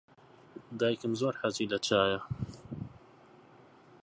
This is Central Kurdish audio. دایکم زۆر حەزی لە چایە.